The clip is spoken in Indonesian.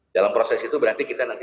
dalam proses itu berarti kita nanti